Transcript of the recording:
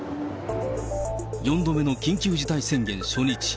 ４度目の緊急事態宣言初日。